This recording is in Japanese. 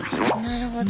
なるほど。